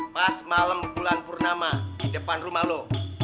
pas malam bulan purnama di depan rumah lo